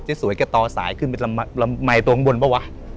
เจ๊สวยแกต่อสายขึ้นไปลำไหมตรงบนปะวะ